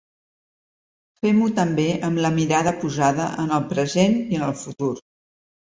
Fem-ho també amb la mirada posada en el present i en el futur.